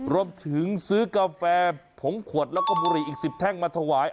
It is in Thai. รวมถึงซื้อกาแฟผงขวดแล้วก็บุหรี่อีก๑๐แท่งมาถวาย